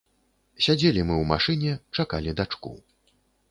Сядзелі мы ў машыне, чакалі дачку.